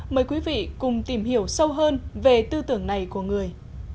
mời quý vị cùng tìm hiểu sâu hơn về tư tưởng này của người